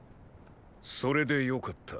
それでよかった。